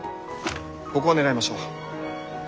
ここを狙いましょう。